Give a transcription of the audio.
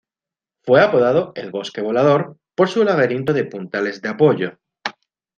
Fue apodado "el "bosque volador" por su laberinto de puntales de apoyo.